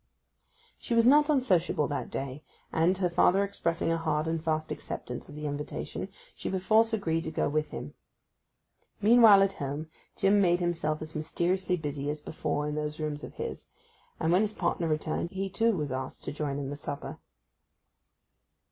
She was not unsociable that day, and, her father expressing a hard and fast acceptance of the invitation, she perforce agreed to go with him. Meanwhile at home, Jim made himself as mysteriously busy as before in those rooms of his, and when his partner returned he too was asked to join in the supper.